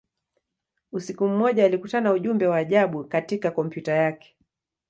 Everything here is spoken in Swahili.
Usiku mmoja, alikutana ujumbe wa ajabu katika kompyuta yake.